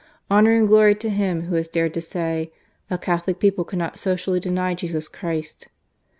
Honour and glory to him who has dared to say, 'A Catholic people cannot socially deny Jesus Christ.'